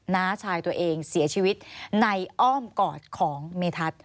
น้าชายตัวเองเสียชีวิตในอ้อมกอดของเมทัศน์